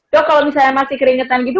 dok kalau misalnya masih keringetan gitu